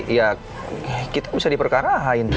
ya kita bisa diperkarahin